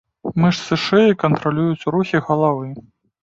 Мышцы шыі кантралююць рухі галавы.